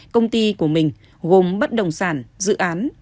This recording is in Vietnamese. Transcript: công ty của mình gồm bất đồng sản dự án